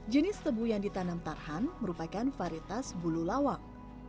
jenis tebu yang ditanam tarhan merupakan varietas bulu lawang